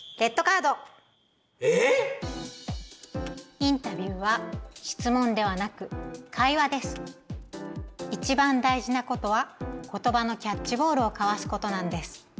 インタビューはいちばん大事なことは言葉のキャッチボールを交わすことなんです。